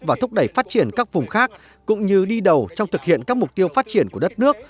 và thúc đẩy phát triển các vùng khác cũng như đi đầu trong thực hiện các mục tiêu phát triển của đất nước